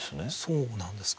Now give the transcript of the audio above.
そうなんですか。